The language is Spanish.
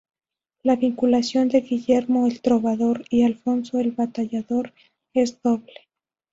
La vinculación de Guillermo "el Trovador" y Alfonso "el Batallador" es doble.